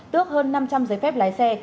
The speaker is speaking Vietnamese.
tước hơn năm trăm linh giấy phép lái xe